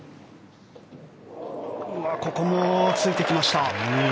ここも、ついてきました。